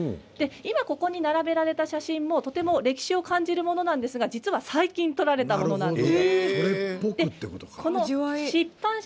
ここに並べられた写真も歴史を感じるものなんですが最近、撮られたものです。